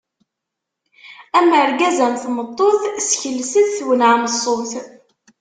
Am urgaz am tmeṭṭut, sskelset twennɛem ṣṣut!